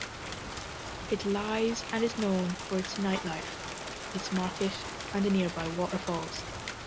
It lies and is known for its nightlife, its market and the nearby waterfalls.